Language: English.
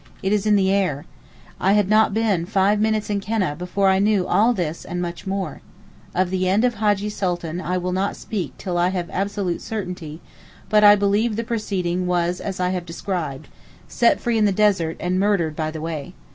It is in the air. I had not been five minutes in Keneh before I knew all this and much more. Of the end of Hajjee Sultan I will not speak till I have absolute certainty, but, I believe the proceeding was as I have described—set free in the desert and murdered by the way.